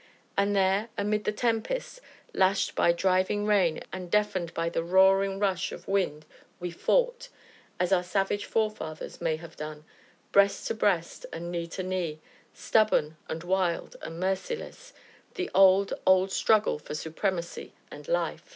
And there, amid the tempest, lashed by driving rain and deafened by the roaring rush of wind, we fought as our savage forefathers may have done, breast to breast, and knee to knee stubborn and wild, and merciless the old, old struggle for supremacy and life.